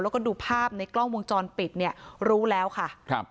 แล้วก็ดูภาพในกล้องวงจรปิดเนี่ยรู้แล้วค่ะครับ